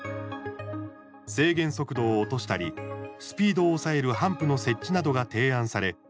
制限速度を落としたりスピードを抑えるハンプの設置などが提案され